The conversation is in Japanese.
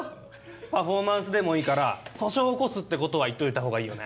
パフォーマンスでもいいから訴訟起こすってことは言っておいたほうがいいよね。